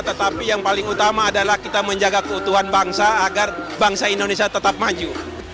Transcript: tetapi yang paling utama adalah kita menjaga keutuhan bangsa agar bangsa indonesia tetap maju